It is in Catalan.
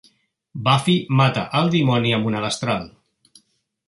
Buffy mata el dimoni amb una destral.